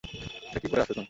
এটা কী পরে আছো তুমি?